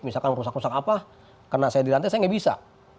misalkan rusak rusak apa karena saya di lantai saya nggak bisa